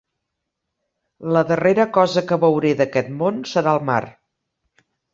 La darrera cosa que veuré d'aquest món serà el mar.